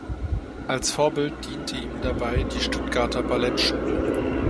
Als Vorbild diente ihm dabei die Stuttgarter Ballettschule.